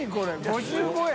５５円？